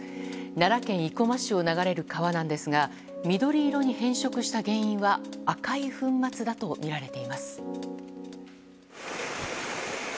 奈良県生駒市を流れる川なんですが緑色に変色した原因は赤い粉末だとみられています。